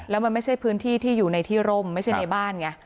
แล้วมันไม่ใช่พื้นที่ที่อยู่ในที่ร่มไม่ใช่ในบ้านไง